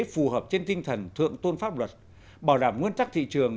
phù hợp trên tinh thần thượng tôn pháp luật bảo đảm nguyên tắc thị trường